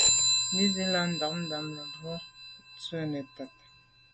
Bì sə̂’ lá’ ndɛ̂mbə̄bɑ̌k lá mə̀bró ŋgə́ tswə́ nə̀tá.